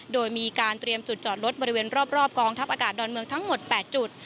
โดยมีการเตรียมจุดจอดรถบริเวณรอบกองทัพอากาศดอนเมืองทั้งหมด๘จุด